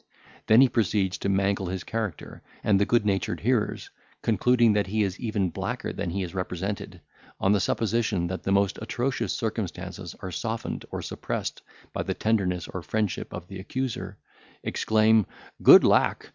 Then he proceeds to mangle his character, and the good natured hearers, concluding he is even blacker than he is represented, on the supposition that the most atrocious circumstances are softened or suppressed by the tenderness or friendship of the accuser, exclaim, "Good lack!